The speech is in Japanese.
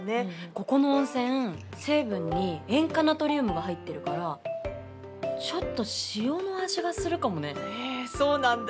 ここの温泉成分に塩化ナトリウムが入ってるからちょっとへえそうなんだ！